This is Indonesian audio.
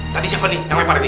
tadi siapa nih yang lepar ini